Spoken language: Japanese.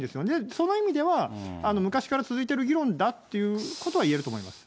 その意味では、昔から続いてる議論だということは言えると思います。